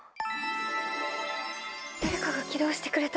だれかが起動してくれた。